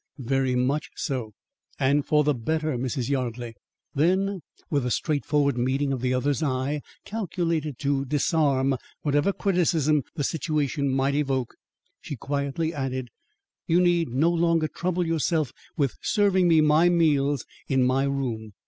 "Very much so, and for the better, Mrs. Yardley." Then, with a straightforward meeting of the other's eye calculated to disarm whatever criticism the situation might evoke, she quietly added, "You need no longer trouble yourself with serving me my meals in my room.